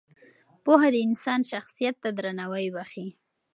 پوهه د انسان شخصیت ته درناوی بښي.